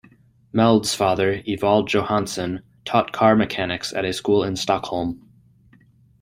Mellde's father, Evald Johansson, taught car mechanics at a school in Stockholm.